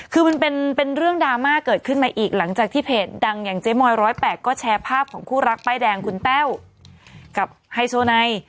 คือมันเป็นเรื่องดราม่าเกิดขึ้นมาอีกหลังจากที่เพจดังอย่างเจ๊มอย๑๐๘ก็แชร์ภาพของคู่รักป้ายแดงคุณแต้วกับไฮโซไน